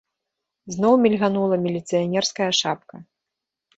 Зноў мільганула міліцыянерская шапка.